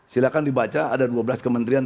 silahkan dibaca ada dua belas kementerian